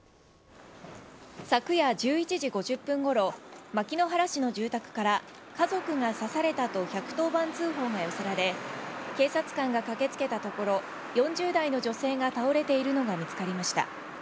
昨夜１１時５０分ごろ、牧之原市の住宅から、家族が刺されたと、１１０番通報が寄せられ、警察官が駆けつけたところ、４０代の女性が倒れているのが見つかりました。